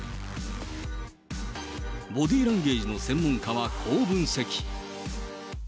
ボディーランゲージの専門家は、こう分析。